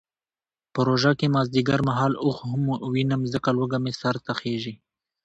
په روژه کې مازدیګر مهال اوښ هم نه وینم ځکه لوږه مې سرته خیژي.